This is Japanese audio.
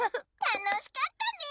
たのしかったね。